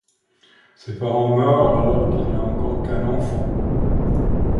Ses parents meurent alors qu'il n'est encore qu'un enfant.